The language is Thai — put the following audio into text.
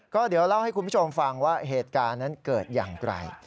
ก็เดี๋ยวเล่าให้คุณผู้ชมฟังว่าเหตุการณ์นั้นเกิดอย่างไร